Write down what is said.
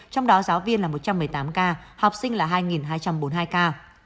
trong đó giáo viên là một trăm một mươi tám ca học sinh là hai hai trăm bốn mươi hai ca